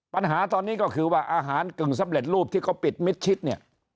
ปัญหาตอนนี้ก็คือว่าอาหารกึ่งสำเร็จรูปที่เขาปิดมิดชิดเนี่ย